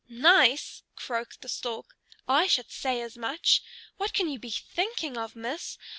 "Nice!" croaked the Stork, "I should say as much! What can you be thinking of, Miss?